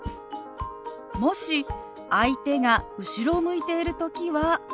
もし相手が後ろを向いている時は。